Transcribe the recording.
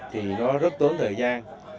thì nó rất tốn thời gian